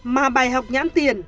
mà bài học nhãn tiền